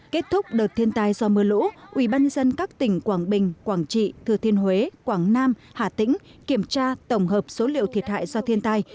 kết thúc đợt thiên tài do mưa lũ ủy ban dân các tỉnh quảng bình quảng trị thừa thiên huế quảng nam hà tĩnh kiểm tra tổng hợp số liệu thiệt hại do thiên tài